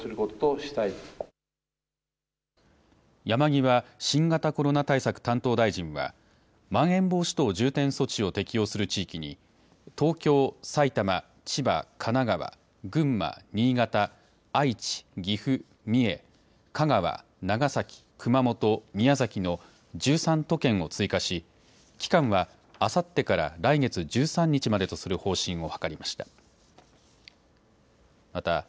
山際新型コロナ対策担当大臣はまん延防止等重点措置を適用する地域に東京、埼玉、千葉、神奈川、群馬、新潟、愛知、岐阜、三重、香川、長崎、熊本、宮崎の１３都県を追加し、期間はあさってから来月１３日までとする方針を諮りました。